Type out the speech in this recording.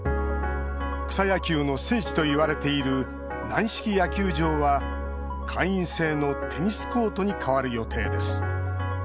草野球の聖地といわれている軟式野球場は会員制のテニスコートに変わる予定です。